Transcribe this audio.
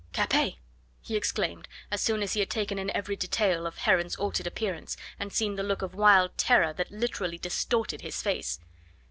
"Capet!" he exclaimed, as soon as he had taken in every detail of Heron's altered appearance, and seen the look of wild terror that literally distorted his face.